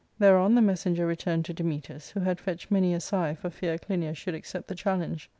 Thereon the messenger returned to Dametas, who had fetched many a sigh for fear Clinias should accept the challenge.